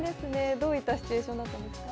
どういったシチュエーションだったんですか？